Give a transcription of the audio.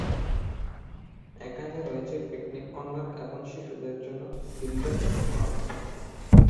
এখানে রয়েছে picnic corner এবং শিশুদের জন্য চিলড্রেন’স কর্নার।